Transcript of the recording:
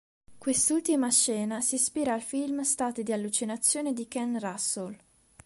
Quest'ultima scena si ispira al film "Stati di allucinazione" di Ken Russell.